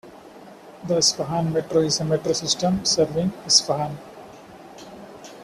The Isfahan Metro is a metro system serving Isfahan.